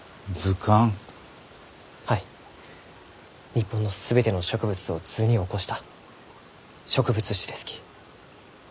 日本の全ての植物を図に起こした植物志ですき。